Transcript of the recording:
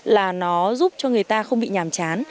là nó giúp cho người ta không bị nhàm chán